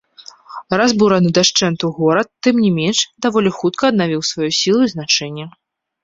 Разбураны дашчэнту, горад, тым не менш, даволі хутка аднавіў свае сілу і значэнне.